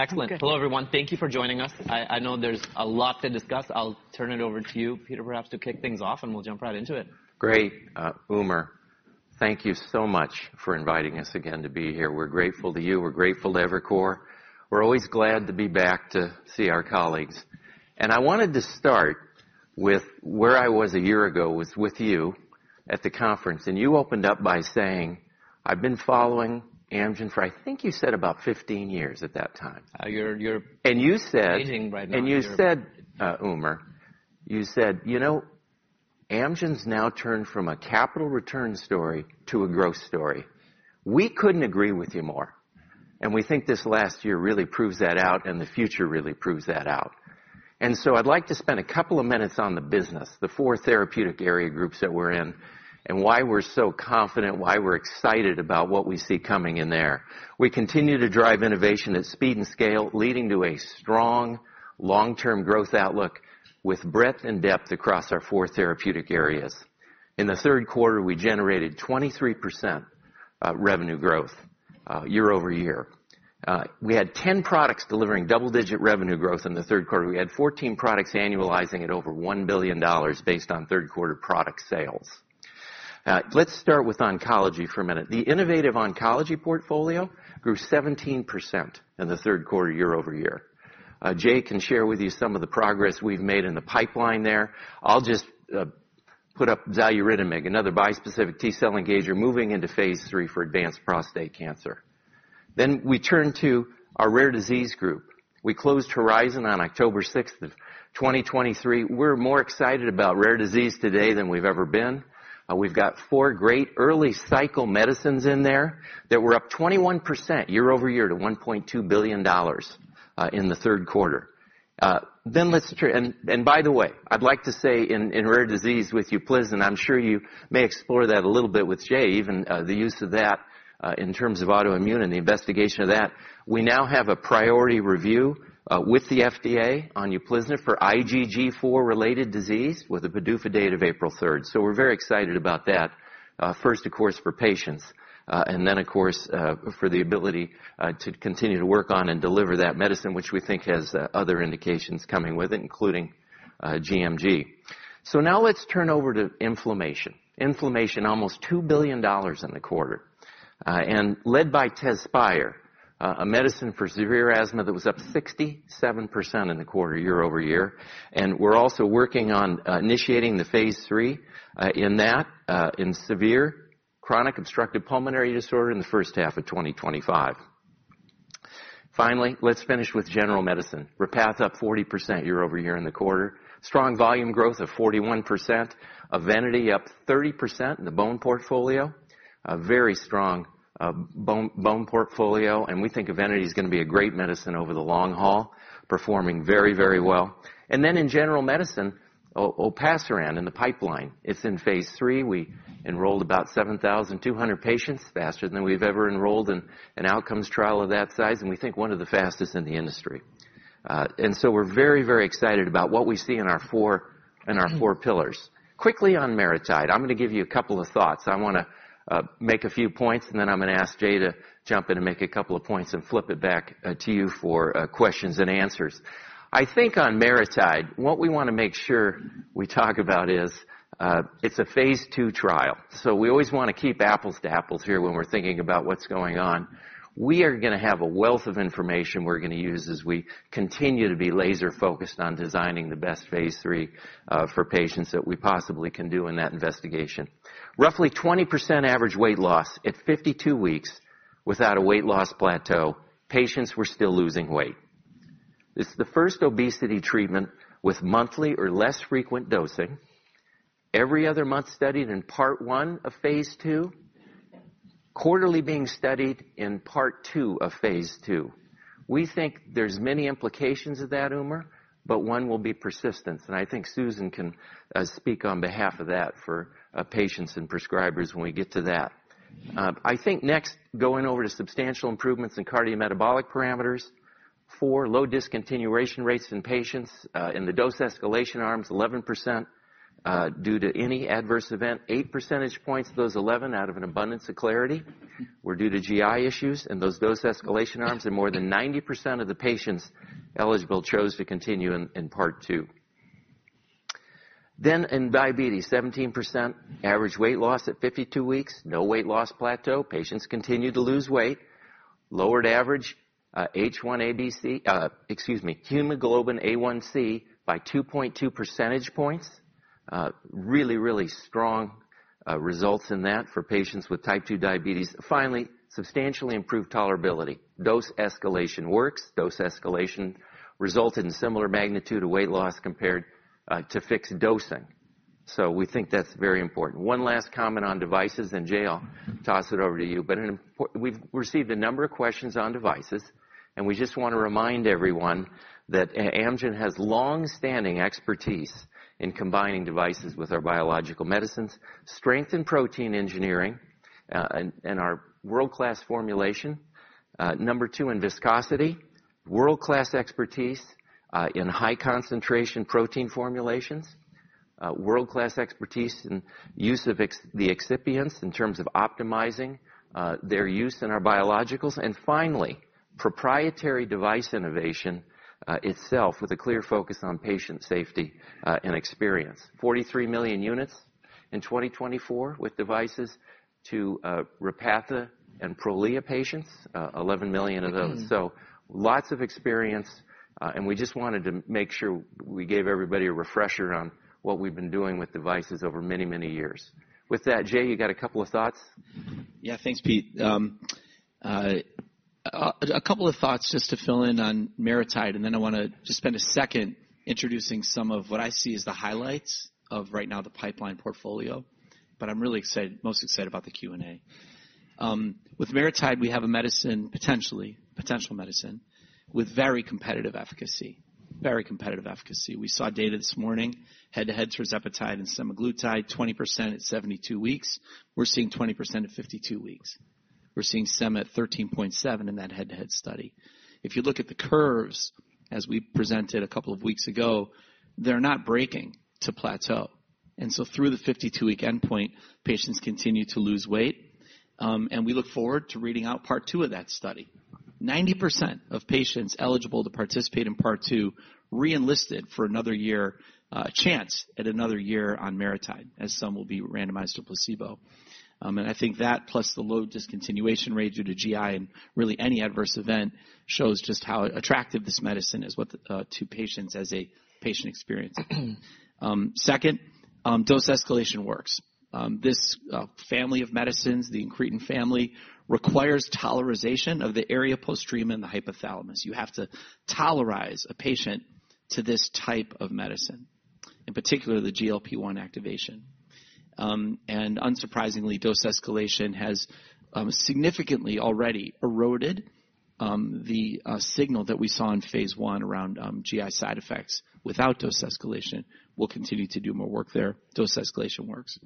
Excellent. Hello, everyone. Thank you for joining us. I know there's a lot to discuss. I'll turn it over to you, Peter, perhaps to kick things off, and we'll jump right into it. Great. Umer, thank you so much for inviting us again to be here. We're grateful to you. We're grateful to Evercore. We're always glad to be back to see our colleagues. And I wanted to start with where I was a year ago was with you at the conference, and you opened up by saying, "I've been following Amgen for," I think you said, "about 15 years at that time. You're, you're. You said. Amazing right now. You said, Umer, you said, "You know, Amgen's now turned from a capital return story to a growth story. We couldn't agree with you more. And we think this last year really proves that out, and the future really proves that out." And so I'd like to spend a couple of minutes on the business, the four therapeutic area groups that we're in, and why we're so confident, why we're excited about what we see coming in there. We continue to drive innovation at speed and scale, leading to a strong long-term growth outlook with breadth and depth across our four therapeutic areas. In the third quarter, we generated 23% revenue growth, year-over-year. We had 10 products delivering double-digit revenue growth in the third quarter. We had 14 products annualizing at over $1 billion based on third-quarter product sales. Let's start with oncology for a minute. The innovative oncology portfolio grew 17% in the third quarter year-over-year. Jay can share with you some of the progress we've made in the pipeline there. I'll just put up xaluritamig, another bispecific T-cell engager, moving into phase III for advanced prostate cancer. Then we turn to our rare disease group. We closed Horizon on October 6th of 2023. We're more excited about rare disease today than we've ever been. We've got four great early-cycle medicines in there that were up 21% year-over-year to $1.2 billion in the third quarter. Then let's turn and by the way, I'd like to say in rare disease with UPLIZNA, and I'm sure you may explore that a little bit with Jay, even the use of that in terms of autoimmune and the investigation of that. We now have a priority review with the FDA on UPLIZNA for IgG4-related disease with a PDUFA date of April 3rd. So we're very excited about that. First, of course, for patients, and then, of course, for the ability to continue to work on and deliver that medicine, which we think has other indications coming with it, including gMG. So now let's turn over to inflammation. Inflammation, almost $2 billion in the quarter, and led by TEZSPIRE, a medicine for severe asthma that was up 67% in the quarter year-over-year. And we're also working on initiating phase III in severe chronic obstructive pulmonary disease in the first half of 2025. Finally, let's finish with general medicine. Repatha up 40% year-over-year in the quarter. Strong volume growth of 41%. EVENITY up 30% in the bone portfolio. A very strong bone portfolio. We think EVENITY's gonna be a great medicine over the long haul, performing very, very well. In general medicine, olpasiran in the pipeline. It's in phase III. We enrolled about 7,200 patients, faster than we've ever enrolled in an outcomes trial of that size, and we think one of the fastest in the industry. We're very, very excited about what we see in our four pillars. Quickly on MariTide, I'm gonna give you a couple of thoughts. I wanna make a few points, and then I'm gonna ask Jay to jump in and make a couple of points and flip it back to you for questions and answers. I think on MariTide, what we wanna make sure we talk about is, it's a phase II trial. We always wanna keep apples to apples here when we're thinking about what's going on. We are gonna have a wealth of information we're gonna use as we continue to be laser-focused on designing the best phase III, for patients that we possibly can do in that investigation. Roughly 20% average weight loss at 52 weeks without a weight loss plateau. Patients were still losing weight. It's the first obesity treatment with monthly or less frequent dosing. Every other month studied in part one of phase II. Quarterly being studied in part two of phase II. We think there's many implications of that, Umer, but one will be persistence. And I think Susan can speak on behalf of that for patients and prescribers when we get to that. I think next, going over to substantial improvements in cardiometabolic parameters. For low discontinuation rates in patients, in the dose escalation arms, 11% due to any adverse event. 8 percentage points, those 11 out of an abundance of clarity. We were due to GI issues, and those dose escalation arms in more than 90% of the patients eligible chose to continue in part two. Then in diabetes, 17% average weight loss at 52 weeks. No weight loss plateau. Patients continue to lose weight. Lowered average H1ABC, excuse me, hemoglobin A1c by 2.2 percentage points. Really, really strong results in that for patients with type 2 diabetes. Finally, substantially improved tolerability. Dose escalation works. Dose escalation resulted in similar magnitude of weight loss compared to fixed dosing. So we think that's very important. One last comment on devices, and Jay, I'll toss it over to you, but we've received a number of questions on devices, and we just wanna remind everyone that Amgen has longstanding expertise in combining devices with our biological medicines, strength in protein engineering, and our world-class formulation. Number two in viscosity, world-class expertise in high-concentration protein formulations. World-class expertise in use of the excipients in terms of optimizing their use in our biologicals. And finally, proprietary device innovation itself with a clear focus on patient safety and experience. 43 million units in 2024 with devices to Repatha and Prolia patients, 11 million of those. So lots of experience. We just wanted to make sure we gave everybody a refresher on what we've been doing with devices over many, many years. With that, Jay, you got a couple of thoughts? Yeah, thanks, Pete. A couple of thoughts just to fill in on MariTide, and then I wanna just spend a second introducing some of what I see as the highlights of right now the pipeline portfolio, but I'm really excited, most excited about the Q&A. With MariTide, we have a medicine, potential medicine with very competitive efficacy. We saw data this morning, head-to-head for tirzepatide and semaglutide, 20% at 72 weeks. We're seeing 20% at 52 weeks. We're seeing sem at 13.7 in that head-to-head study. If you look at the curves, as we presented a couple of weeks ago, they're not breaking to plateau. And so through the 52-week endpoint, patients continue to lose weight, and we look forward to reading out part two of that study. 90% of patients eligible to participate in part two re-enlisted for another year, chance at another year on MariTide, as some will be randomized to placebo. I think that, plus the low discontinuation rate due to GI and really any adverse event, shows just how attractive this medicine is to patients as a patient experience. Second, dose escalation works. This family of medicines, the incretin family, requires titration of the area postrema, the hypothalamus. You have to titrate a patient to this type of medicine, in particular the GLP-1 activation. Unsurprisingly, dose escalation has significantly already eroded the signal that we saw in phase I around GI side effects without dose escalation. We'll continue to do more work there. Dose escalation works.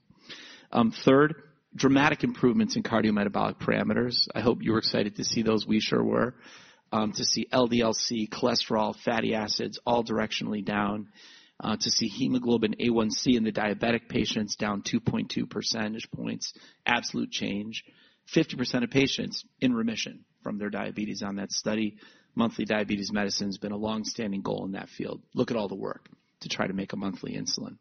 Third, dramatic improvements in cardiometabolic parameters. I hope you were excited to see those. We sure were. To see LDL-C, cholesterol, fatty acids, all directionally down. To see hemoglobin A1c in the diabetic patients down 2.2 percentage points. Absolute change. 50% of patients in remission from their diabetes on that study. Monthly diabetes medicine has been a longstanding goal in that field. Look at all the work to try to make a monthly insulin.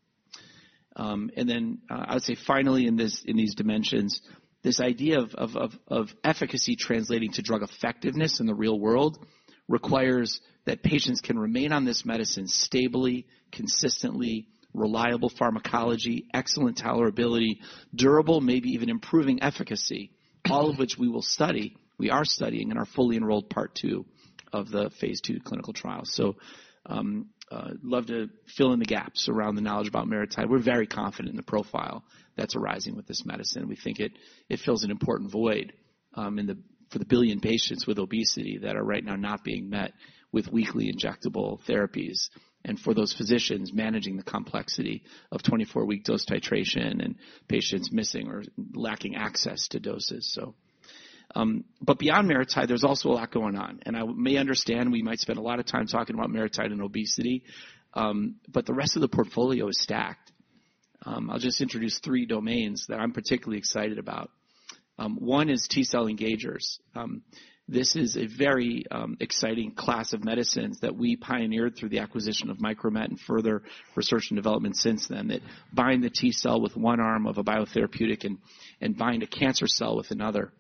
And then, I would say finally in this, in these dimensions, this idea of efficacy translating to drug effectiveness in the real world requires that patients can remain on this medicine stably, consistently, reliable pharmacology, excellent tolerability, durable, maybe even improving efficacy, all of which we will study. We are studying in our fully enrolled Part 2 of the phase II clinical trial. So, love to fill in the gaps around the knowledge about MariTide. We're very confident in the profile that's arising with this medicine. We think it fills an important void for the billion patients with obesity that are right now not being met with weekly injectable therapies. And for those physicians managing the complexity of 24-week dose titration and patients missing or lacking access to doses. So but beyond MariTide, there's also a lot going on. And I may understand we might spend a lot of time talking about MariTide and obesity, but the rest of the portfolio is stacked. I'll just introduce three domains that I'm particularly excited about. One is T-cell engagers. This is a very exciting class of medicines that we pioneered through the acquisition of Micromet and further research and development since then that bind the T-cell with one arm of a biotherapeutic and bind a cancer cell with another.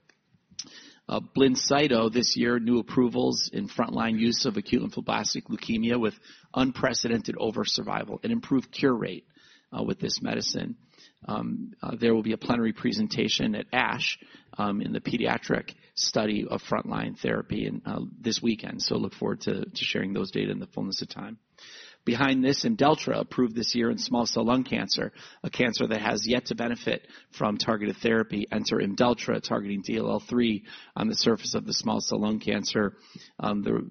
Blincyto, this year, new approvals in frontline use of acute lymphoblastic leukemia with unprecedented overall survival, an improved cure rate, with this medicine. There will be a plenary presentation at ASH, in the pediatric study of frontline therapy in this weekend. So look forward to sharing those data in the fullness of time. Behind this, IMDELLTRA approved this year in small cell lung cancer, a cancer that has yet to benefit from targeted therapy. Enter IMDELLTRA targeting DLL3 on the surface of the small cell lung cancer. The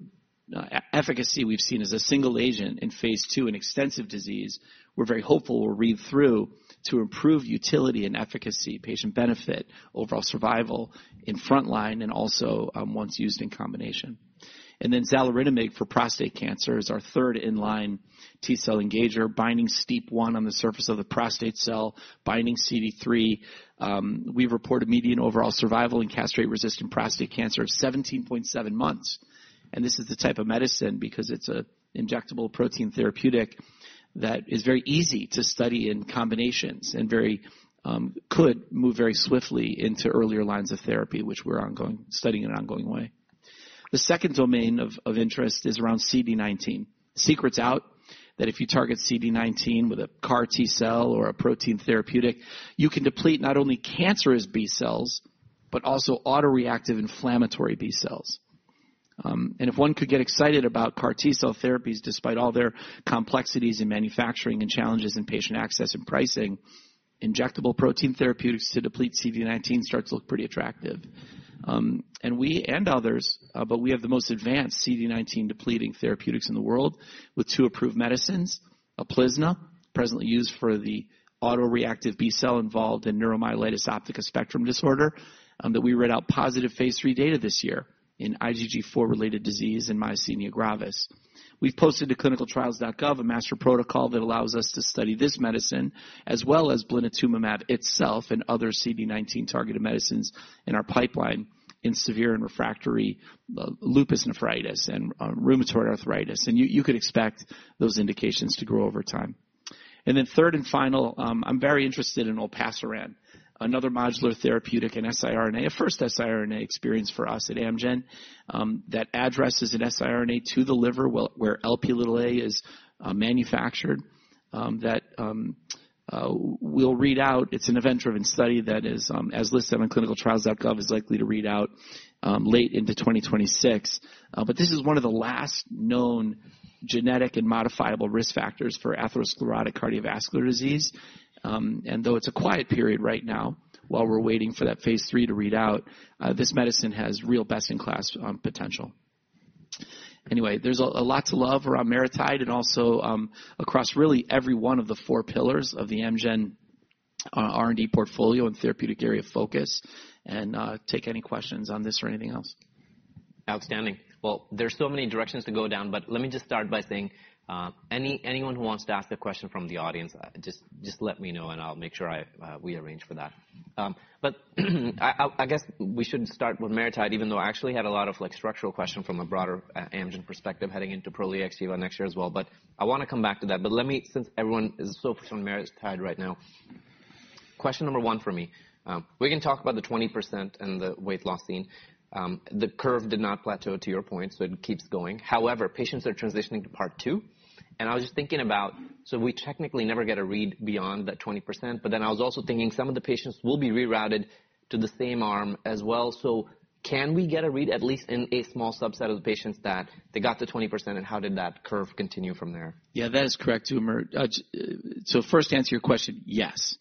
efficacy we've seen as a single agent in phase II in extensive disease. We're very hopeful we'll read through to improve utility and efficacy, patient benefit, overall survival in frontline, and also once used in combination. And then xaluritamig for prostate cancer is our third in line T-cell engager, binding STEAP1 on the surface of the prostate cell, binding CD3. We report a median overall survival in castration-resistant prostate cancer of 17.7 months. And this is the type of medicine because it's an injectable protein therapeutic that is very easy to study in combinations and very could move very swiftly into earlier lines of therapy, which we're ongoing studying in an ongoing way. The second domain of interest is around CD19. The secret's out that if you target CD19 with a CAR T-cell or a protein therapeutic, you can deplete not only cancerous B cells, but also autoreactive inflammatory B cells. And if one could get excited about CAR T-cell therapies despite all their complexities in manufacturing and challenges in patient access and pricing, injectable protein therapeutics to deplete CD19 start to look pretty attractive. we and others, but we have the most advanced CD19 depleting therapeutics in the world with two approved medicines, UPLIZNA presently used for the autoreactive B cell involved in neuromyelitis optica spectrum disorder, that we read out positive phase III data this year in IgG4-related disease in myasthenia gravis. We've posted to clinicaltrials.gov a master protocol that allows us to study this medicine as well as blinatumomab itself and other CD19 targeted medicines in our pipeline in severe and refractory lupus nephritis and rheumatoid arthritis. And you could expect those indications to grow over time. And then third and final, I'm very interested in olpasiran, another modular therapeutic and siRNA, a first siRNA experience for us at Amgen, that addresses a siRNA to the liver where Lp(a) is manufactured, that we'll read out. It's an event-driven study that is, as listed on clinicaltrials.gov, is likely to read out, late into 2026. But this is one of the last known genetic and modifiable risk factors for atherosclerotic cardiovascular disease. And though it's a quiet period right now, while we're waiting for that phase III to read out, this medicine has real best-in-class potential. Anyway, there's a lot to love around MariTide and also, across really every one of the four pillars of the Amgen R&D portfolio and therapeutic area of focus. And take any questions on this or anything else. Outstanding. Well, there's so many directions to go down, but let me just start by saying, anyone who wants to ask a question from the audience, just let me know and I'll make sure we arrange for that. But I guess we should start with MariTide, even though I actually had a lot of, like, structural questions from a broader Amgen perspective heading into Prolia and XGEVA next year as well. But I wanna come back to that. But let me, since everyone is so focused on MariTide right now, question number one for me. We can talk about the 20% and the weight loss seen. The curve did not plateau to your point, so it keeps going. However, patients are transitioning to part two. And I was just thinking about, so we technically never get a read beyond that 20%, but then I was also thinking some of the patients will be rerouted to the same arm as well. So can we get a read at least in a small subset of the patients that they got to 20%, and how did that curve continue from there? Yeah, that is correct, Umer. So first, to answer your question, yes.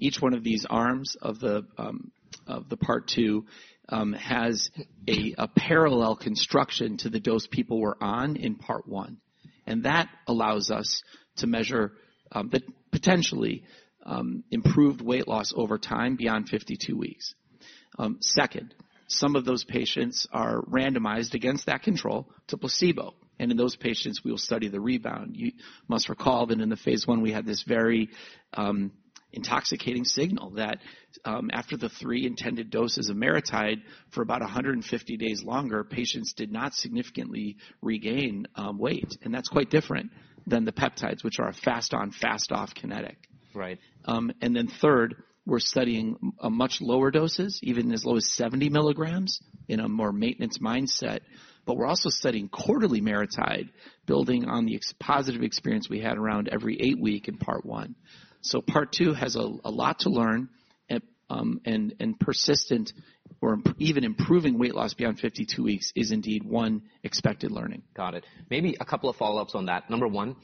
Each one of these arms of the part two has a parallel construction to the dose people were on in part one. And that allows us to measure the potentially improved weight loss over time beyond 52 weeks. Second, some of those patients are randomized against that control to placebo. And in those patients, we'll study the rebound. You must recall that in the phase I, we had this very intoxicating signal that, after the three intended doses of MariTide for about 150 days longer, patients did not significantly regain weight. And that's quite different than the peptides, which are a fast-on, fast-off kinetic. Right. And then third, we're studying a much lower doses, even as low as 70 mg in a more maintenance mindset. But we're also studying quarterly MariTide, building on the positive experience we had around every eight week in part one. So part two has a lot to learn, and persistent or even improving weight loss beyond 52 weeks is indeed one expected learning. Got it. Maybe a couple of follow-ups on that. Number one,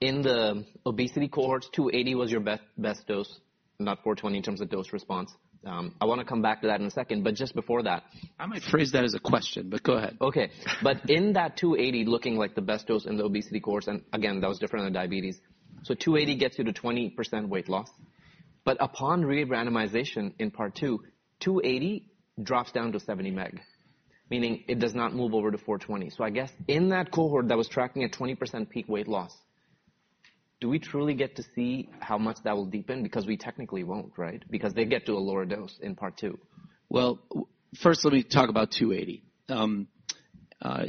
in the obesity cohorts, 280 was your best, best dose, not 420 in terms of dose response. I wanna come back to that in a second, but just before that. I might phrase that as a question, but go ahead. Okay. But in that 280, looking like the best dose in the obesity cohorts, and again, that was different on the diabetes. So 280 gets you to 20% weight loss. But upon re-randomization in part two, 280 drops down to 70 mg, meaning it does not move over to 420. So I guess in that cohort that was tracking a 20% peak weight loss, do we truly get to see how much that will deepen? Because we technically won't, right? Because they get to a lower dose in part two. First, let me talk about 280.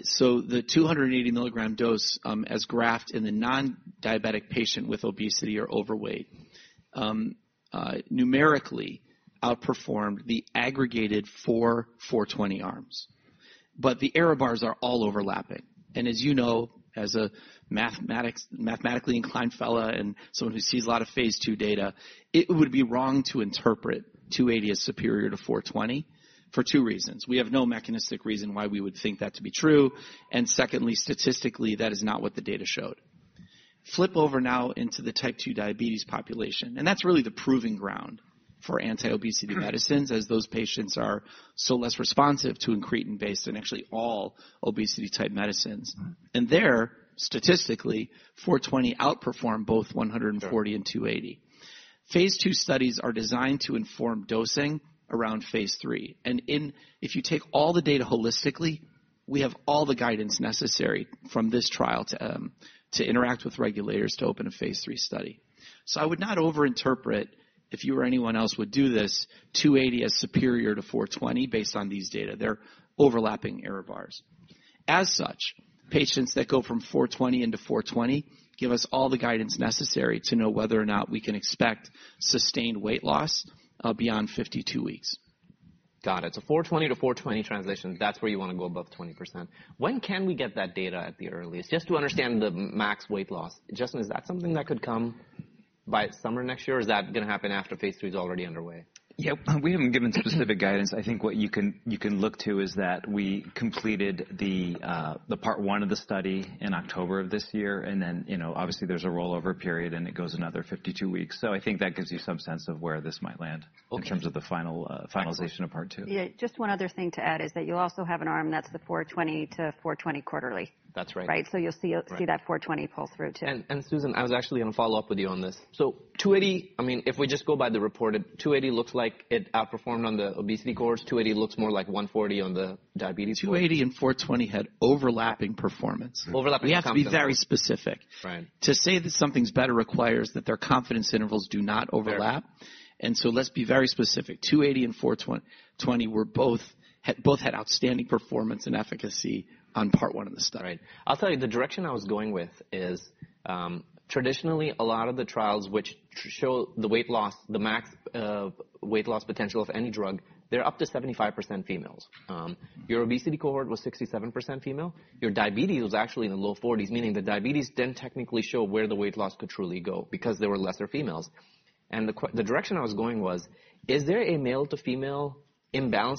So the 280 mg dose, as graphed in the non-diabetic patient with obesity or overweight, numerically outperformed the aggregated four 420 arms. But the error bars are all overlapping. And as you know, as a mathematics, mathematically inclined fellow and someone who sees a lot of phase II data, it would be wrong to interpret 280 as superior to 420 for two reasons. We have no mechanistic reason why we would think that to be true. And secondly, statistically, that is not what the data showed. Flip over now into the type two diabetes population. That's really the proving ground for anti-obesity medicines, as those patients are so less responsive to Incretin-based and actually all obesity-type medicines. There, statistically, 420 outperformed both 140 and 280. Phase two studies are designed to inform dosing around phase III. If you take all the data holistically, we have all the guidance necessary from this trial to interact with regulators to open a phase III study. So I would not overinterpret, if you or anyone else would do this, 280 as superior to 420 based on these data. They're overlapping error bars. As such, patients that go from 420 into 420 give us all the guidance necessary to know whether or not we can expect sustained weight loss beyond 52 weeks. Got it. So 420 to 420 translation, that's where you wanna go above 20%. When can we get that data at the earliest? Just to understand the max weight loss, Justin, is that something that could come by summer next year? Or is that gonna happen after phase III's already underway? Yep. We haven't given specific guidance. I think what you can, you can look to is that we completed the part one of the study in October of this year. And then, you know, obviously there's a rollover period and it goes another 52 weeks. So I think that gives you some sense of where this might land. Okay. In terms of the finalization of part two. Yeah. Just one other thing to add is that you also have an arm that's the 420-420 quarterly. That's right. Right? So you'll see that 420 pull through too. Susan, I was actually gonna follow-up with you on this. 280, I mean, if we just go by the reported, 280 looks like it outperformed on the obesity cohorts. 280 looks more like 140 on the diabetes cohort. 280 and 420 had overlapping performance. Overlapping performance. We have to be very specific. Right. To say that something's better requires that their confidence intervals do not overlap. Right. Let's be very specific. 280 and 420 both had outstanding performance and efficacy on part one of the study. Right. I'll tell you, the direction I was going with is, traditionally, a lot of the trials which show the weight loss, the max weight loss potential of any drug, they're up to 75% females. Your obesity cohort was 67% female. Your diabetes was actually in the low 40s, meaning the diabetes didn't technically show where the weight loss could truly go because there were lesser females. And the cue, the direction I was going was, is there a male-to-female imbalance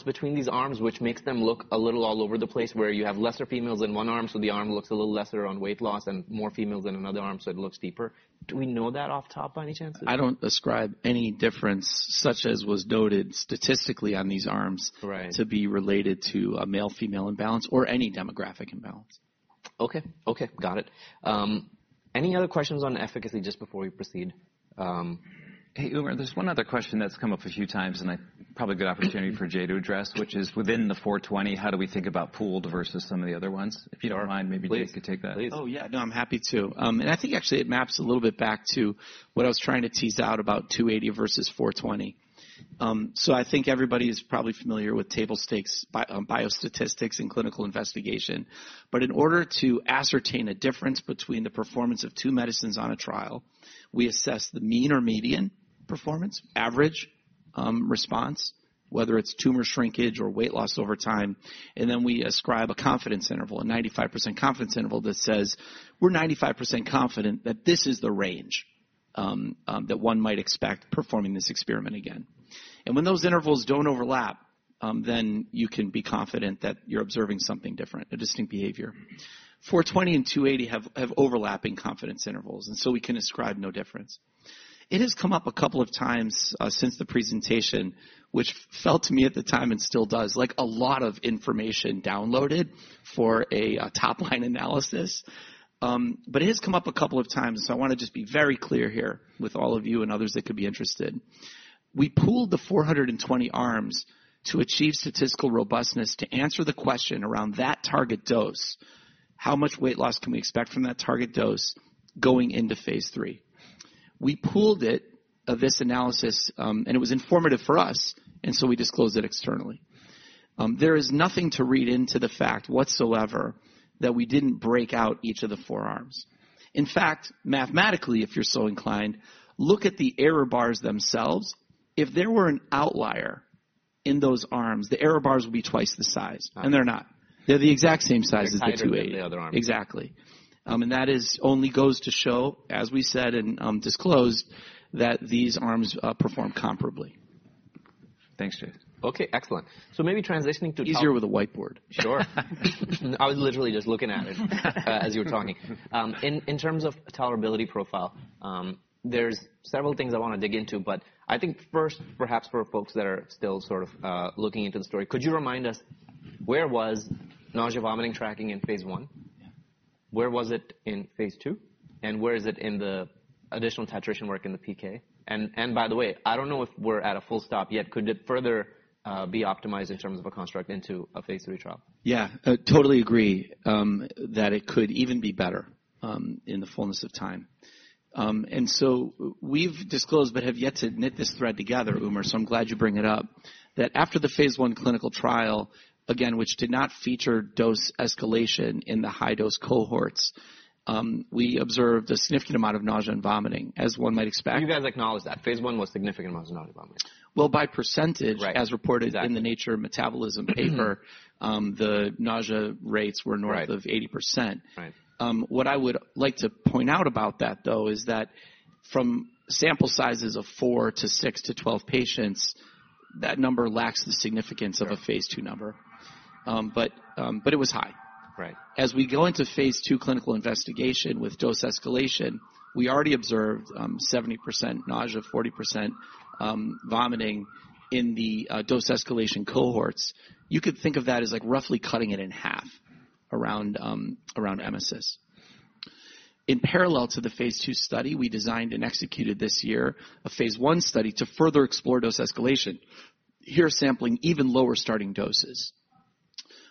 between these arms, which makes them look a little all over the place where you have lesser females in one arm, so the arm looks a little lesser on weight loss and more females in another arm, so it looks deeper? Do we know that off the top by any chance? I don't ascribe any difference, such as was noted statistically on these arms. Right. To be related to a male-female imbalance or any demographic imbalance. Okay. Okay. Got it. Any other questions on efficacy just before we proceed? Hey, Umer, there's one other question that's come up a few times, and it's probably a good opportunity for Jay to address, which is within the 420, how do we think about pooled versus some of the other ones? If you don't mind, maybe Jay could take that. Please. Oh, yeah. No, I'm happy to, and I think actually it maps a little bit back to what I was trying to tease out about 280 versus 420, so I think everybody is probably familiar with table stakes, biostatistics and clinical investigation, but in order to ascertain a difference between the performance of two medicines on a trial, we assess the mean or median performance, average, response, whether it's tumor shrinkage or weight loss over time, and then we ascribe a confidence interval, a 95% confidence interval that says, we're 95% confident that this is the range that one might expect performing this experiment again. When those intervals don't overlap, then you can be confident that you're observing something different, a distinct behavior. 420 and 280 have overlapping confidence intervals, and so we can ascribe no difference. It has come up a couple of times since the presentation, which felt to me at the time and still does like a lot of information downloaded for a top line analysis, but it has come up a couple of times, and so I wanna just be very clear here with all of you and others that could be interested. We pooled the 420 arms to achieve statistical robustness to answer the question around that target dose, how much weight loss can we expect from that target dose going into phase III. We pooled it for this analysis, and it was informative for us, and so we disclosed it externally. There is nothing to read into the fact whatsoever that we didn't break out each of the four arms. In fact, mathematically, if you're so inclined, look at the error bars themselves. If there were an outlier in those arms, the error bars would be twice the size. Got it. They're not. They're the exact same size as the 280. Exactly. The other arms. Exactly, and that only goes to show, as we said and disclosed, that these arms perform comparably. Thanks, Jay. Okay. Excellent. So maybe transitioning to. Easier with a whiteboard. Sure. I was literally just looking at it, as you were talking. In terms of tolerability profile, there's several things I wanna dig into, but I think first, perhaps for folks that are still sort of looking into the story, could you remind us where nausea, vomiting was tracking in phase I? Yeah. Where was it in phase II? And where is it in the additional titration work in the PK? And by the way, I don't know if we're at a full stop yet. Could it further be optimized in terms of a construct into a phase III trial? Yeah. Totally agree that it could even be better in the fullness of time. And so we've disclosed but have yet to knit this thread together, Umer, so I'm glad you bring it up, that after the phase I clinical trial, again, which did not feature dose escalation in the high-dose cohorts, we observed a significant amount of nausea and vomiting, as one might expect. You guys acknowledge that. phase I was significant amounts of nausea and vomiting. By percentage. Right. As reported in the Nature Metabolism paper, the nausea rates were north of 80%. Right. What I would like to point out about that, though, is that from sample sizes of four to six to 12 patients, that number lacks the significance of a phase II number. Right. but it was high. Right. As we go into phase II clinical investigation with dose escalation, we already observed 70% nausea, 40% vomiting in the dose escalation cohorts. You could think of that as, like, roughly cutting it in half around emesis. In parallel to the phase II study, we designed and executed this year a phase I study to further explore dose escalation. Here's sampling even lower starting doses.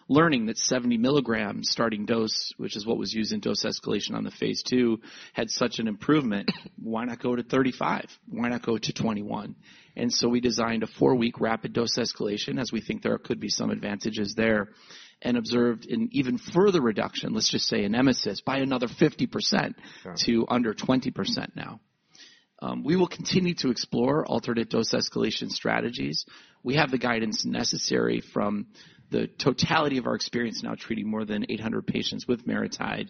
Learning that 70 mg starting dose, which is what was used in dose escalation on the phase II, had such an improvement, why not go to 35? Why not go to 21? And so we designed a four-week rapid dose escalation, as we think there could be some advantages there, and observed an even further reduction, let's just say an emesis, by another 50%. Sure. To under 20% now. We will continue to explore alternate dose escalation strategies. We have the guidance necessary from the totality of our experience now treating more than 800 patients with MariTide,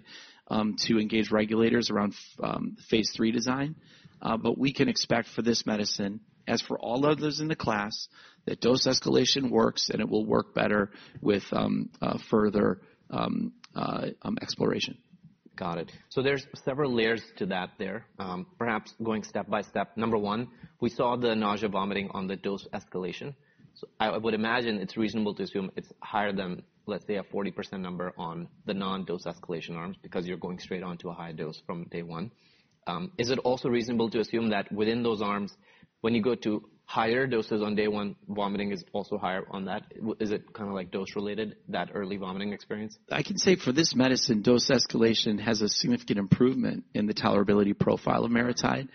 to engage regulators around phase III design. But we can expect for this medicine, as for all others in the class, that dose escalation works and it will work better with further exploration. Got it. So there's several layers to that there. Perhaps going step by step, number one, we saw the nausea, vomiting on the dose escalation. So I would imagine it's reasonable to assume it's higher than, let's say, a 40% number on the non-dose escalation arms because you're going straight on to a high dose from day one. Is it also reasonable to assume that within those arms, when you go to higher doses on day one, vomiting is also higher on that? Is it kinda like dose-related, that early vomiting experience? I can say for this medicine, dose escalation has a significant improvement in the tolerability profile of MariTide.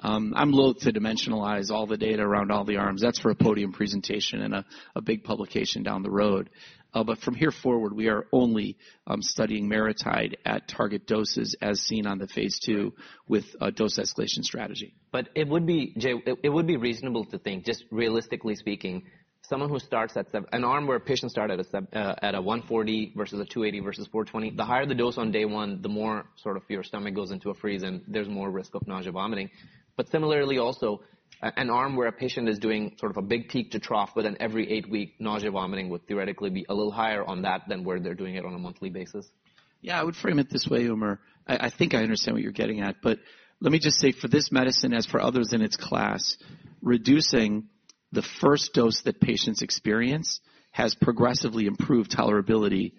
I'm loath to dimensionalize all the data around all the arms. That's for a podium presentation and a big publication down the road. But from here forward, we are only studying MariTide at target doses as seen on the phase II with a dose escalation strategy. But it would be, Jay, reasonable to think, just realistically speaking, someone who starts at seven in an arm where a patient started at seven, at a 140 versus a 280 versus 420, the higher the dose on day one, the more sort of your stomach goes into a freeze and there's more risk of nausea, vomiting. But similarly also, an arm where a patient is doing sort of a big peak to trough, but then every eight-week nausea, vomiting would theoretically be a little higher on that than where they're doing it on a monthly basis. Yeah. I would frame it this way, Umer. I think I understand what you're getting at, but let me just say for this medicine, as for others in its class, reducing the first dose that patients experience has progressively improved tolerability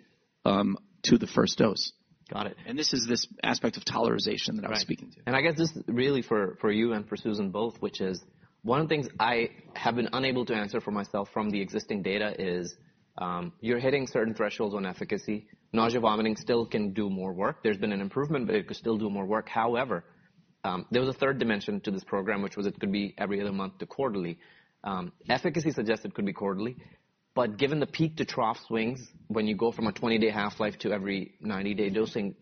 to the first dose. Got it. This is this aspect of tolerization that I was speaking to. Right. And I guess this really for you and for Susan both, which is one of the things I have been unable to answer for myself from the existing data is, you're hitting certain thresholds on efficacy. Nausea, vomiting still can do more work. There's been an improvement, but it could still do more work. However, there was a third dimension to this program, which was it could be every other month to quarterly. Efficacy suggested could be quarterly. But given the peak to trough swings, when you go from a 20-day half-life to every 90-day dosing,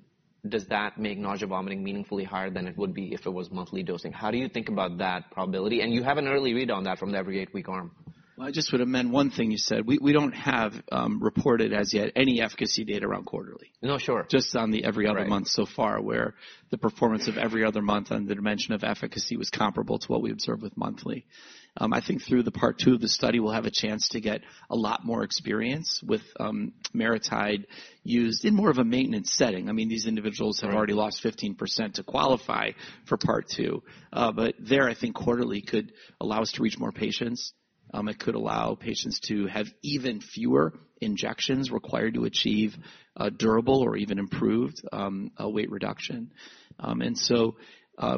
does that make nausea, vomiting meaningfully higher than it would be if it was monthly dosing? How do you think about that probability? And you have an early read on that from the every eight-week arm. I just would amend one thing you said. We don't have reported as yet any efficacy data around quarterly. No, sure. Just on the every other month so far, where the performance of every other month on the dimension of efficacy was comparable to what we observed with monthly. I think through the part two of the study, we'll have a chance to get a lot more experience with MariTide used in more of a maintenance setting. I mean, these individuals have already lost 15% to qualify for part two, but there, I think quarterly could allow us to reach more patients, it could allow patients to have even fewer injections required to achieve a durable or even improved weight reduction, and so,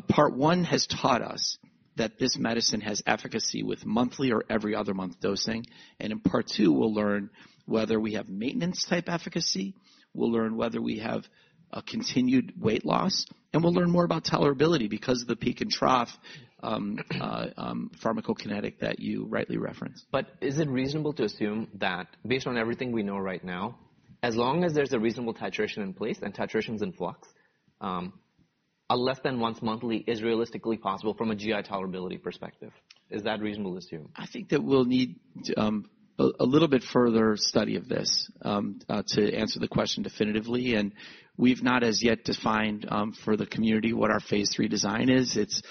part one has taught us that this medicine has efficacy with monthly or every other month dosing, and in part two, we'll learn whether we have maintenance-type efficacy. We'll learn whether we have a continued weight loss. We'll learn more about tolerability because of the peak and trough pharmacokinetics that you rightly referenced. But is it reasonable to assume that based on everything we know right now, as long as there's a reasonable titration in place and titrations in flux, a less than once monthly is realistically possible from a GI tolerability perspective? Is that reasonable to assume? I think that we'll need a little bit further study of this to answer the question definitively. And we've not as yet defined for the community what our phase III design is. It's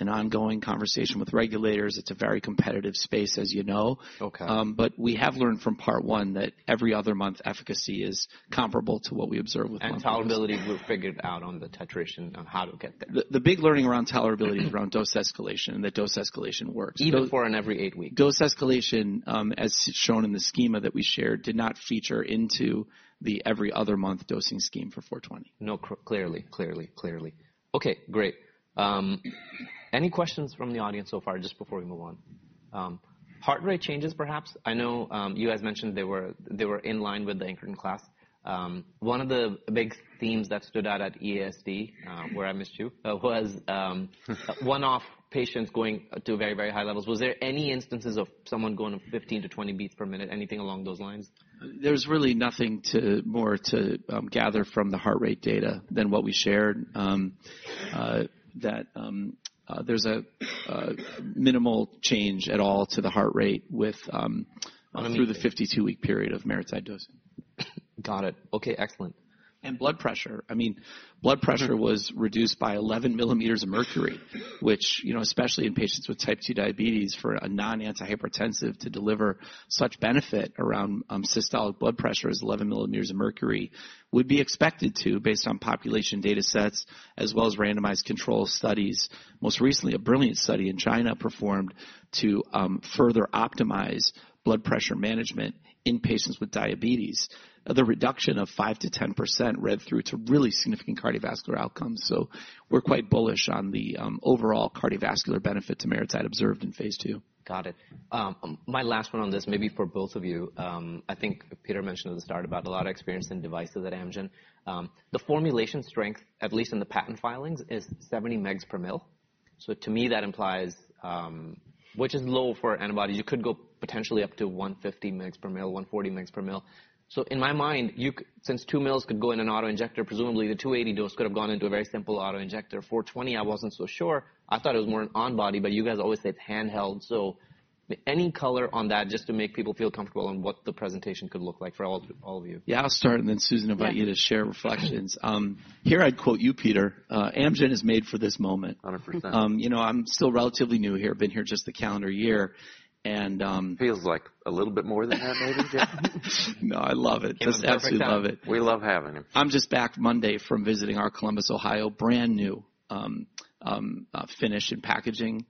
an ongoing conversation with regulators. It's a very competitive space, as you know. Okay. But we have learned from part one that every other month efficacy is comparable to what we observe with monthly dose. Tolerability we've figured out on the titration on how to get there. The big learning around tolerability is around dose escalation and that dose escalation works. Every four and every eight weeks. Dose escalation, as shown in the schema that we shared, did not feature into the every other month dosing scheme for 420. No, clearly. Okay. Great. Any questions from the audience so far, just before we move on? Heart rate changes, perhaps? I know, you guys mentioned they were in line with the anchoring class. One of the big themes that stood out at EASD, where I missed you, was one-off patients going to very, very high levels. Was there any instances of someone going 15-20 beats per minute, anything along those lines? There's really nothing more to gather from the heart rate data than what we shared, that there's a minimal change at all to the heart rate through the 52-week period of MariTide dosing. Got it. Okay. Excellent. Blood pressure. I mean, blood pressure was reduced by 11 mm of mercury, which, you know, especially in patients with type 2 diabetes, for a non-antihypertensive to deliver such benefit around systolic blood pressure as 11 mm of mercury would be expected to, based on population data sets as well as randomized control studies. Most recently, a brilliant study in China performed to further optimize blood pressure management in patients with diabetes. The reduction of 5%-10% read through to really significant cardiovascular outcomes. So we're quite bullish on the overall cardiovascular benefit to MariTide observed in phase II. Got it. My last one on this, maybe for both of you. I think Peter mentioned at the start about a lot of experience in devices at Amgen. The formulation strength, at least in the patent filings, is 70 mg per mL. So to me, that implies, which is low for antibodies. You could go potentially up to 150 mg per mL, 140 mg per mL. So in my mind, you see, since two mL could go in an auto injector, presumably the 280 dose could have gone into a very simple auto injector. 420, I wasn't so sure. I thought it was more an on-body, but you guys always say it's handheld. So any color on that just to make people feel comfortable on what the presentation could look like for all of you? Yeah. I'll start and then, Susan, invite you to share reflections. Here, I'd quote you, Peter. Amgen is made for this moment. 100%. You know, I'm still relatively new here. I've been here just the calendar year and, Feels like a little bit more than that maybe, Jay? No, I love it. Just absolutely love it. We love having him. I'm just back Monday from visiting our Columbus, Ohio, brand new, finishing and packaging.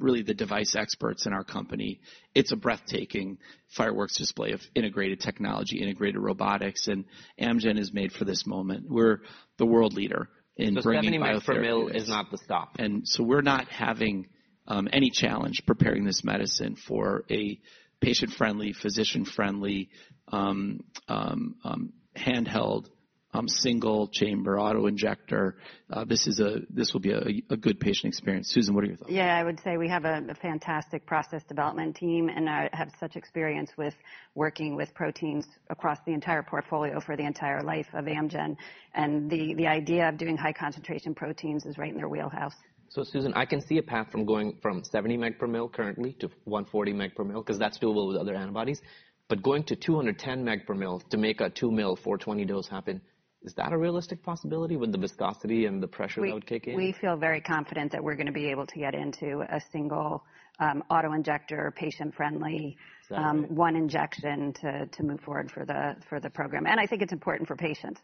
Really the device experts in our company. It's a breathtaking fireworks display of integrated technology, integrated robotics, and Amgen is made for this moment. We're the world leader in bringing the. The 75 per mil is not the stop. We're not having any challenge preparing this medicine for a patient-friendly, physician-friendly, handheld, single chamber auto injector. This will be a good patient experience. Susan, what are your thoughts? Yeah. I would say we have a fantastic process development team and I have such experience with working with proteins across the entire portfolio for the entire life of Amgen. And the idea of doing high-concentration proteins is right in their wheelhouse. So Susan, I can see a path from going from 70 mg per mL currently to 140 mg per mL 'cause that's doable with other antibodies, but going to 210 mg per mL to make a 2 mL 420 dose happen, is that a realistic possibility with the viscosity and the pressure that would kick in? We feel very confident that we're gonna be able to get into a single, auto injector, patient-friendly, one injection to move forward for the program. And I think it's important for patients.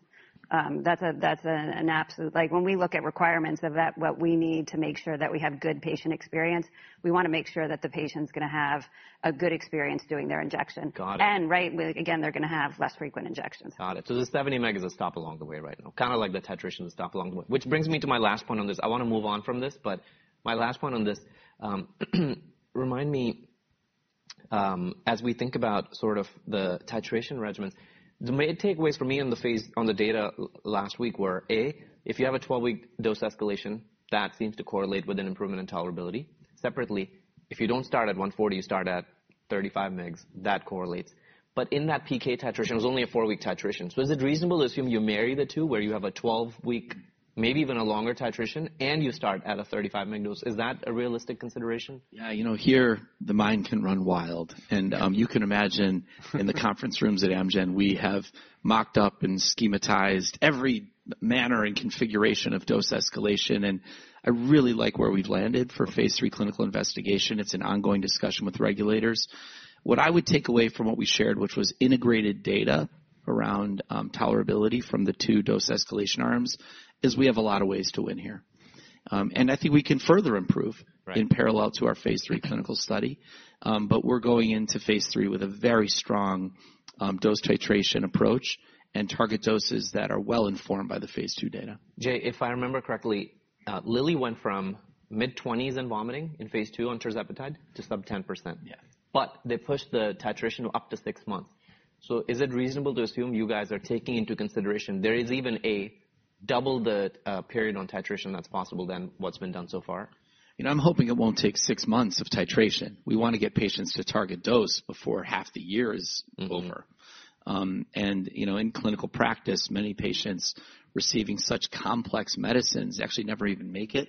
That's an absolute, like, when we look at requirements of that, what we need to make sure that we have good patient experience, we wanna make sure that the patient's gonna have a good experience doing their injection. Got it. And right, again, they're gonna have less frequent injections. Got it. So the 70 mg is a stop along the way right now, kinda like the titration stop along the way, which brings me to my last point on this. I wanna move on from this, but my last point on this, remind me, as we think about sort of the titration regimens, the main takeaways for me on the phase, on the data last week were, A, if you have a 12-week dose escalation, that seems to correlate with an improvement in tolerability. Separately, if you don't start at 140, you start at 35 mgs, that correlates. But in that PK titration, it was only a four-week titration. So is it reasonable to assume you marry the two where you have a 12-week, maybe even a longer titration, and you start at a 35 mg dose? Is that a realistic consideration? Yeah. You know, here the mind can run wild. And, you can imagine in the conference rooms at Amgen, we have mocked up and schematized every manner and configuration of dose escalation. And I really like where we've landed for phase III clinical investigation. It's an ongoing discussion with regulators. What I would take away from what we shared, which was integrated data around tolerability from the two dose escalation arms, is we have a lot of ways to win here, and I think we can further improve. Right. In parallel to our phase III clinical study, but we're going into phase III with a very strong, dose titration approach and target doses that are well-informed by the phase II data. Jay, if I remember correctly, Lilly went from mid-20s% and vomiting in phase II on tirzepatide to sub-10%. Yes. But they pushed the titration up to six months. So is it reasonable to assume you guys are taking into consideration there is even a double the period on titration that's possible than what's been done so far? You know, I'm hoping it won't take six months of titration. We wanna get patients to target dose before half the year is over. And, you know, in clinical practice, many patients receiving such complex medicines actually never even make it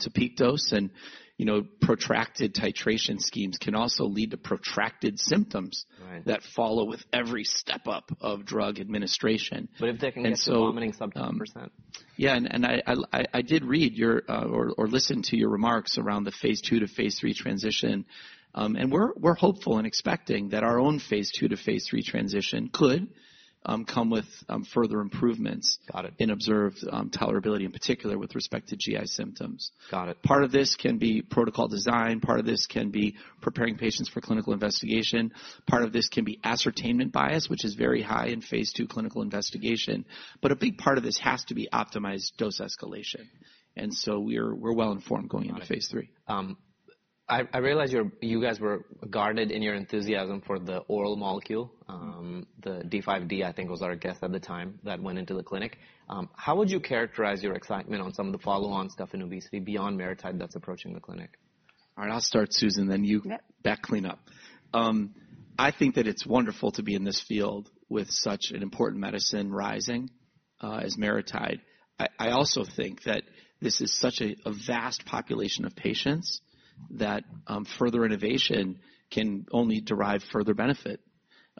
to peak dose. And, you know, protracted titration schemes can also lead to protracted symptoms. Right. That follow with every step up of drug administration. But if they can get some vomiting sub-10%. Yeah. And I did read or listen to your remarks around the phase II to phase III transition, and we're hopeful and expecting that our own phase II to phase III transition could come with further improvements. Got it. In observed tolerability in particular with respect to GI symptoms. Got it. Part of this can be protocol design. Part of this can be preparing patients for clinical investigation. Part of this can be ascertainment bias, which is very high in phase II clinical investigation. But a big part of this has to be optimized dose escalation. And so we're well-informed going into phase III. Got it. I realize you guys were guarded in your enthusiasm for the oral molecule. The D5D, I think, was our guest at the time that went into the clinic. How would you characterize your excitement on some of the follow-on stuff in obesity beyond MariTide that's approaching the clinic? All right. I'll start, Susan. Then you back me up. I think that it's wonderful to be in this field with such an important medicine rising, as MariTide. I, I also think that this is such a, a vast population of patients that, further innovation can only derive further benefit.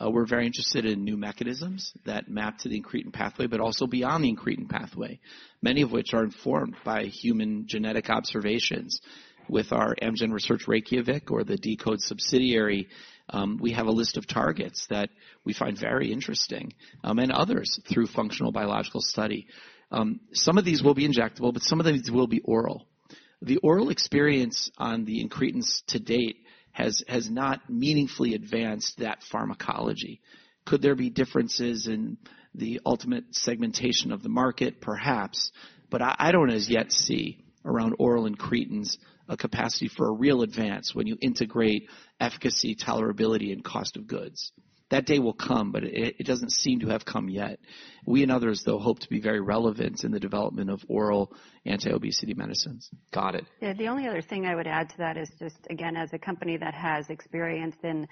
We're very interested in new mechanisms that map to the incretin pathway, but also beyond the incretin pathway, many of which are informed by human genetic observations. With our Amgen Research Reykjavik or the deCODE subsidiary, we have a list of targets that we find very interesting, and others through functional biological study. Some of these will be injectable, but some of these will be oral. The oral experience on the incretins to date has, has not meaningfully advanced that pharmacology. Could there be differences in the ultimate segmentation of the market? Perhaps. But I don't as yet see around oral incretins a capacity for a real advance when you integrate efficacy, tolerability, and cost of goods. That day will come, but it doesn't seem to have come yet. We and others, though, hope to be very relevant in the development of oral anti-obesity medicines. Got it. Yeah. The only other thing I would add to that is just, again, as a company that has experience in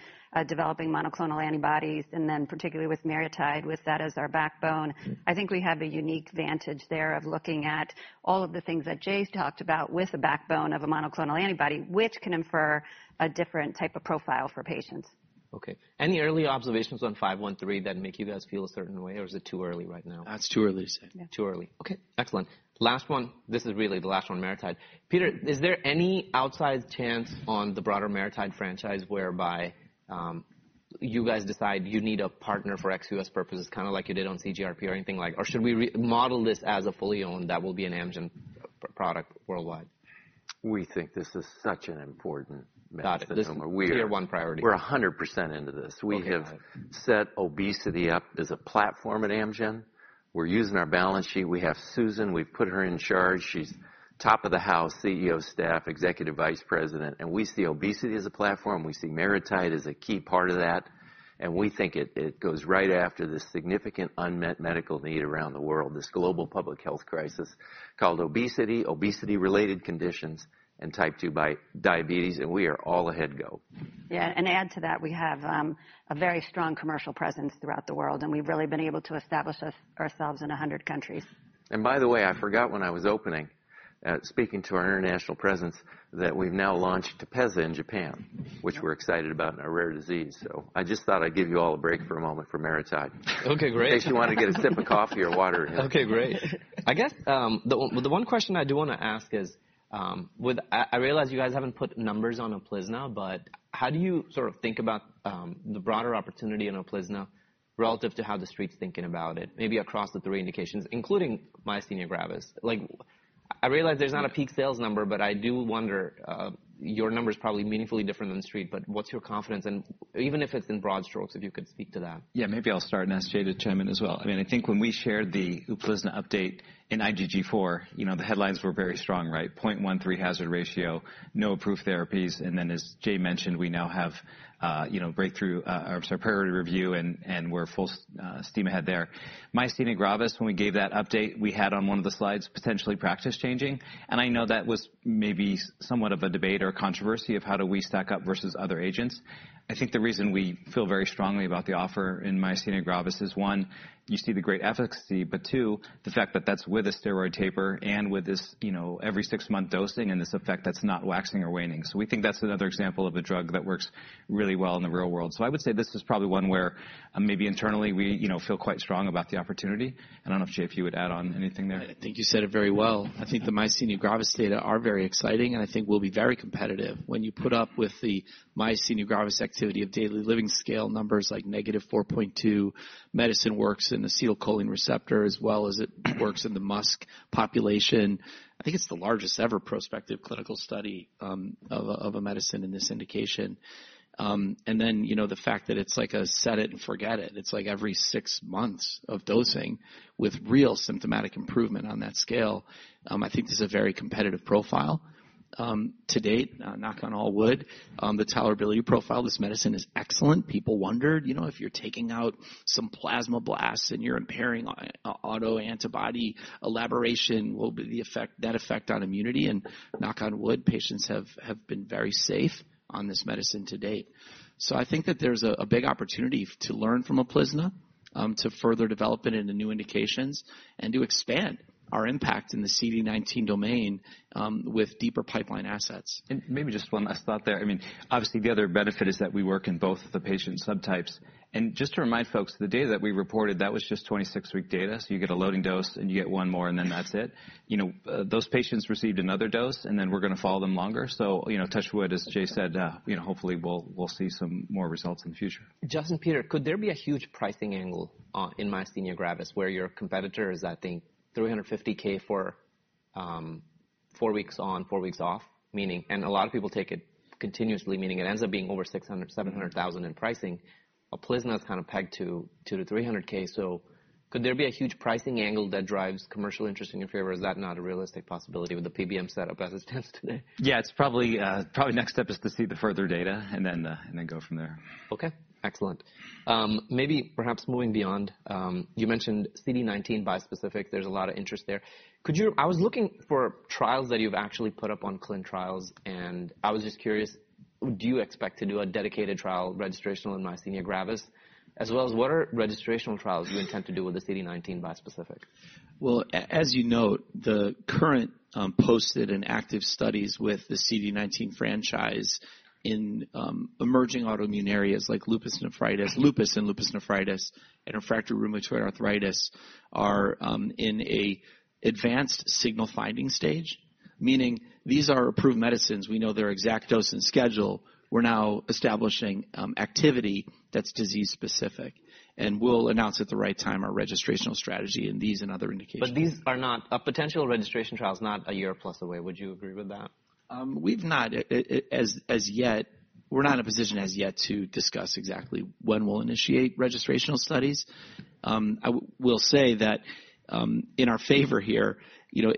developing monoclonal antibodies and then particularly with MariTide, with that as our backbone, I think we have a unique advantage there of looking at all of the things that Jay's talked about with the backbone of a monoclonal antibody, which can offer a different type of profile for patients. Okay. Any early observations on 513 that make you guys feel a certain way or is it too early right now? That's too early to say. Yeah. Too early. Okay. Excellent. Last one. This is really the last one, MariTide. Peter, is there any outside chance on the broader MariTide franchise whereby, you guys decide you need a partner for ex-U.S. purposes, kinda like you did on CGRP or anything like? Or should we remodel this as a fully owned that will be an Amgen product worldwide? We think this is such an important message. Got it. This is a weird. Tier one priority. We're 100% into this. Okay. We have set obesity up as a platform at Amgen. We're using our balance sheet. We have Susan. We've put her in charge. She's top of the house, CEO, staff, Executive Vice President, and we see obesity as a platform. We see MariTide as a key part of that, and we think it goes right after this significant unmet medical need around the world, this global public health crisis called obesity, obesity-related conditions, and type 2 diabetes, and we are all ahead go. Yeah. And add to that, we have a very strong commercial presence throughout the world, and we've really been able to establish ourselves in a hundred countries. And by the way, I forgot when I was opening, speaking to our international presence that we've now launched TEPEZZA in Japan, which we're excited about in our rare disease. So I just thought I'd give you all a break for a moment for MariTide. Okay. Great. In case you wanna get a sip of coffee or water here. Okay. Great. I guess, the one question I do wanna ask is, I realize you guys haven't put numbers on olpasiran, but how do you sort of think about the broader opportunity in olpasiran relative to how the street's thinking about it, maybe across the three indications, including myasthenia gravis? Like, I realize there's not a peak sales number, but I do wonder, your number's probably meaningfully different than the street, but what's your confidence? And even if it's in broad strokes, if you could speak to that. Yeah. Maybe I'll start and ask Jay to chime in as well. I mean, I think when we shared the UPLIZNA update in IgG4, you know, the headlines were very strong, right? 0.13 hazard ratio, no approved therapies. And then, as Jay mentioned, we now have, you know, breakthrough, or sorry, priority review and, and we're full steam ahead there. Myasthenia gravis, when we gave that update, we had on one of the slides potentially practice changing. And I know that was maybe somewhat of a debate or controversy of how do we stack up versus other agents. I think the reason we feel very strongly about the UPLIZNA in myasthenia gravis is one, you see the great efficacy, but two, the fact that that's with a steroid taper and with this, you know, every six-month dosing and this effect that's not waxing or waning. So we think that's another example of a drug that works really well in the real world. So I would say this is probably one where maybe internally we, you know, feel quite strong about the opportunity. I don't know if, Jay, if you would add on anything there. I think you said it very well. I think the myasthenia gravis data are very exciting and I think we'll be very competitive. When you put up with the myasthenia gravis activity of daily living scale numbers like -4.2, medicine works in acetylcholine receptor as well as it works in the MuSK population. I think it's the largest ever prospective clinical study of a medicine in this indication. And then, you know, the fact that it's like a set it and forget it. It's like every six months of dosing with real symptomatic improvement on that scale. I think this is a very competitive profile, to date. Knock on wood, the tolerability profile of this medicine is excellent. People wondered, you know, if you're taking out some plasmablasts and you're impairing autoantibody elaboration, what would be the effect, that effect on immunity? And knock on wood, patients have been very safe on this medicine to date. So I think that there's a big opportunity to learn from UPLIZNA, to further develop it into new indications and to expand our impact in the CD19 domain, with deeper pipeline assets. Maybe just one last thought there. I mean, obviously the other benefit is that we work in both of the patient subtypes. Just to remind folks, the data that we reported, that was just 26-week data. You get a loading dose and you get one more and then that's it. You know, those patients received another dose and then we're gonna follow them longer. You know, touch wood, as Jay said, you know, hopefully we'll see some more results in the future. Justin, Peter, could there be a huge pricing angle, in myasthenia gravis where your competitor is, I think, $350,000 for, four weeks on, four weeks off? Meaning, and a lot of people take it continuously, meaning it ends up being over $600,000-$700,000 in pricing. UPLIZNA is kinda pegged to $200,000 to $300,000. So could there be a huge pricing angle that drives commercial interest in favor? Is that not a realistic possibility with the PBM setup as it stands today? Yeah. It's probably next step is to see the further data and then go from there. Okay. Excellent. Maybe perhaps moving beyond, you mentioned CD19 bispecific. There's a lot of interest there. Could you, I was looking for trials that you've actually put up on clinical trials and I was just curious, do you expect to do a dedicated trial registrational in myasthenia gravis as well as what are registrational trials you intend to do with the CD19 bispecific? As you note, the current posted and active studies with the CD19 franchise in emerging autoimmune areas like lupus nephritis, lupus and lupus nephritis, and refractory rheumatoid arthritis are in an advanced signal finding stage. Meaning these are approved medicines. We know their exact dose and schedule. We're now establishing activity that's disease specific. And we'll announce at the right time our registrational strategy in these and other indications. But these are not potential registration trials, not a year plus away. Would you agree with that? We've not, as yet, we're not in a position as yet to discuss exactly when we'll initiate registrational studies. I will say that, in our favor here, you know,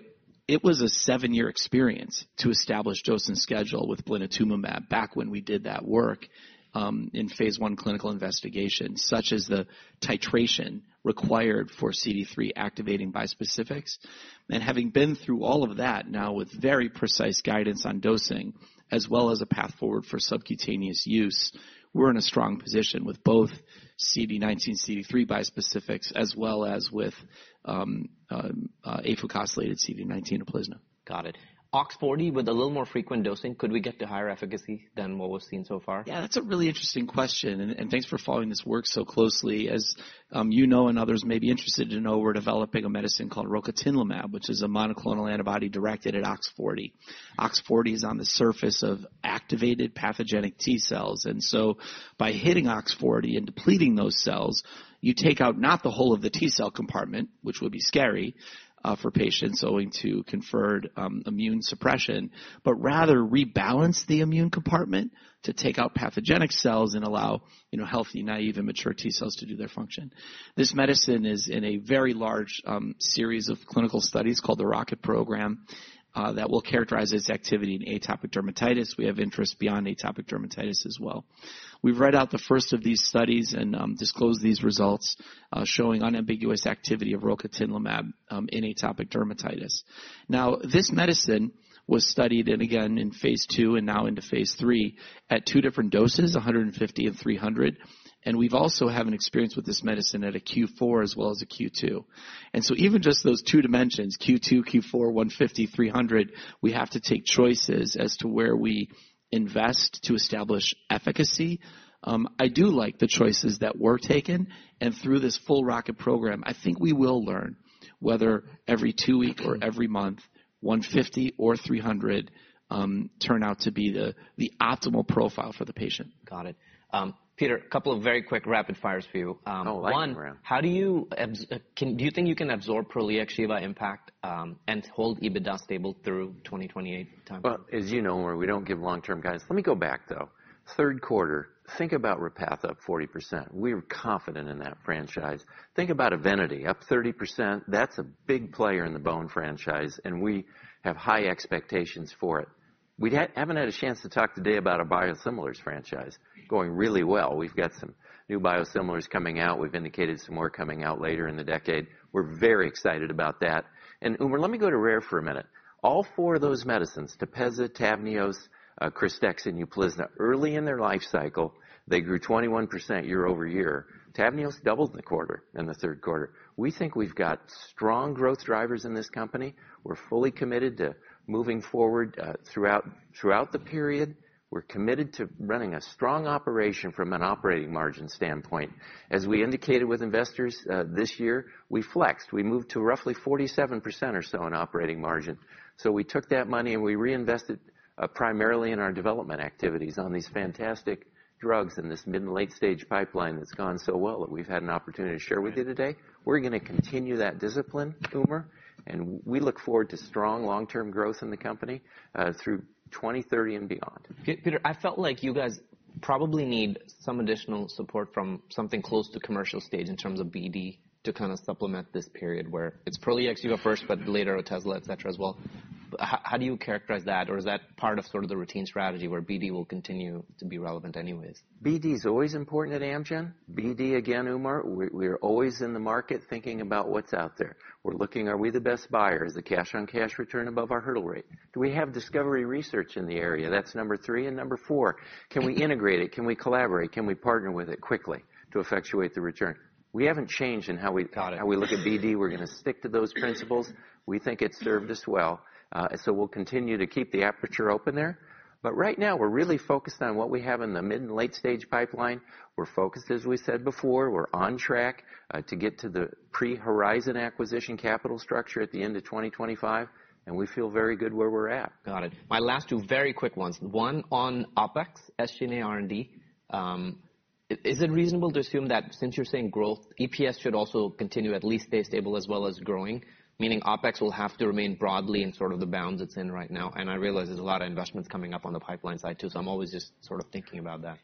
it was a seven-year experience to establish dose and schedule with blinatumumab back when we did that work, in phase I clinical investigation, such as the titration required for CD3 activating bispecifics. Having been through all of that now with very precise guidance on dosing as well as a path forward for subcutaneous use, we're in a strong position with both CD19, CD3 bispecifics as well as with afucosylated CD19 UPLIZNA. Got it. OX40 with a little more frequent dosing, could we get to higher efficacy than what we've seen so far? Yeah. That's a really interesting question. And, thanks for following this work so closely. As, you know, and others may be interested to know, we're developing a medicine called rocatinlimab, which is a monoclonal antibody directed at OX40. OX40 is on the surface of activated pathogenic T cells. And so by hitting OX40 and depleting those cells, you take out not the whole of the T cell compartment, which would be scary, for patients owing to conferred, immune suppression, but rather rebalance the immune compartment to take out pathogenic cells and allow, you know, healthy, naive, immature T cells to do their function. This medicine is in a very large, series of clinical studies called the ROCKET Program, that will characterize its activity in atopic dermatitis. We have interest beyond atopic dermatitis as well. We've read out the first of these studies and disclosed these results showing unambiguous activity of rocatinlimab in atopic dermatitis. Now, this medicine was studied and again in phase II and now into phase III at two different doses, 150 and 300, and we've also had an experience with this medicine at a Q4 as well as a Q2, and so even just those two dimensions, Q2, Q4, 150, 300, we have to take choices as to where we invest to establish efficacy. I do like the choices that were taken, and through this full Rocket Program, I think we will learn whether every two week or every month, 150 or 300, turn out to be the optimal profile for the patient. Got it. Peter, a couple of very quick rapid fires for you. Oh, I can ram. One, how do you assess, do you think you can absorb Prolia XGEVA impact, and hold EBITDA stable through 2028 timeframe? As you know, we don't give long-term guidance. Let me go back though. Third quarter, think about Repatha up 40%. We were confident in that franchise. Think about EVENITY, up 30%. That's a big player in the Bone franchise, and we have high expectations for it. We haven't had a chance to talk today about our biosimilars franchise going really well. We've got some new biosimilars coming out. We've indicated some more coming out later in the decade. We're very excited about that. Umer, let me go to rare for a minute. All four of those medicines, TEPEZZA, TAVNEOS, KRYSTEXXA, and UPLIZNA, early in their life cycle, they grew 21% year-over-year. TAVNEOS doubled in the quarter, in the third quarter. We think we've got strong growth drivers in this company. We're fully committed to moving forward, throughout the period. We're committed to running a strong operation from an operating margin standpoint. As we indicated with investors, this year, we flexed. We moved to roughly 47% or so in operating margin. So we took that money and we reinvested, primarily in our development activities on these fantastic drugs in this mid and late-stage pipeline that's gone so well that we've had an opportunity to share with you today. We're gonna continue that discipline, Umer, and we look forward to strong long-term growth in the company, through 2030 and beyond. Peter, I felt like you guys probably need some additional support from something close to commercial stage in terms of BD to kinda supplement this period where it's Prolia XGEVA first, but later Otezla, et cetera, as well. But how do you characterize that? Or is that part of sort of the routine strategy where BD will continue to be relevant anyways? BD's always important at Amgen. BD again, Umer, we are always in the market thinking about what's out there. We're looking, are we the best buyers? The cash-on-cash return above our hurdle rate? Do we have discovery research in the area? That's number three and number four. Can we integrate it? Can we collaborate? Can we partner with it quickly to effectuate the return? We haven't changed in how we. Got it. How we look at BD. We're gonna stick to those principles. We think it's served us well. So we'll continue to keep the aperture open there. But right now, we're really focused on what we have in the mid and late-stage pipeline. We're focused, as we said before, we're on track to get to the pre-Horizon acquisition capital structure at the end of 2025. And we feel very good where we're at. Got it. My last two very quick ones. One on OpEx, SG&A, R&D. Is it reasonable to assume that since you're saying growth, EPS should also continue at least stay stable as well as growing? Meaning OpEx will have to remain broadly in sort of the bounds it's in right now. And I realize there's a lot of investments coming up on the pipeline side too, so I'm always just sort of thinking about that.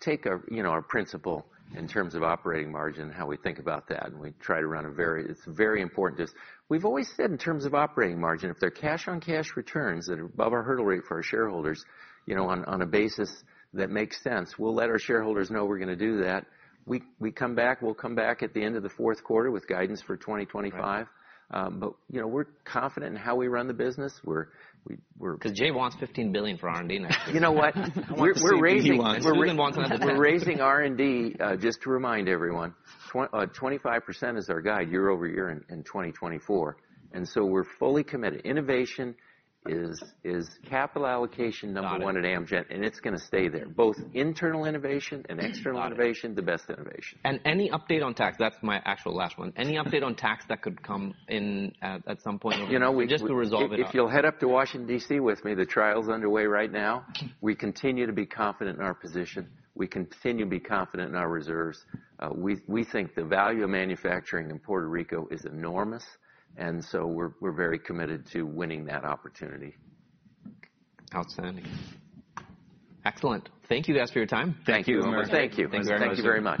Take our, you know, our principle in terms of operating margin and how we think about that. We try to run a very, it's very important to us. We've always said in terms of operating margin, if they're cash-on-cash returns that are above our hurdle rate for our shareholders, you know, on a basis that makes sense, we'll let our shareholders know we're gonna do that. We'll come back at the end of the fourth quarter with guidance for 2025, but you know, we're confident in how we run the business. We're. 'Cause Jay wants $15 billion for R&D next year. You know what? We're raising. He wants. We're raising R&D, just to remind everyone, 20%-25% is our guide year-over-year in 2024. And so we're fully committed. Innovation is capital allocation number one at Amgen, and it's gonna stay there. Both internal innovation and external innovation, the best innovation. And any update on tax? That's my actual last one. Any update on tax that could come in, at some point? You know, we just. Just to resolve it out. If you'll head up to Washington, D.C. with me, the trial's underway right now. We continue to be confident in our position. We continue to be confident in our reserves. We think the value of manufacturing in Puerto Rico is enormous, and so we're very committed to winning that opportunity. Outstanding. Excellent. Thank you guys for your time. Thank you, Umer. Thank you. Thanks very much. Thank you very much.